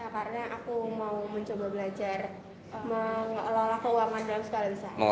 karena aku mau mencoba belajar mau lelah keuangan dalam sekolah bisa